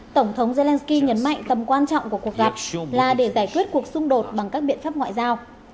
tổng thống zelensky nhấn mạnh tầm quan trọng của cuộc gặp là để giải quyết cuộc xung đột bằng các biện pháp ngoại giao